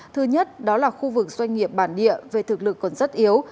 thứ nhất đó là khu vực doanh nghiệp bản địa về thực lực còn rất yếu